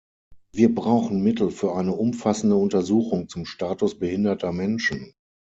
Wir brauchen Mittel für eine umfassende Untersuchung zum Status behinderter Menschen.